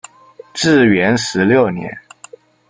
至元十六年。